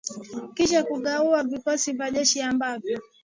kisha kukagua vikosi vya jeshi ambavyo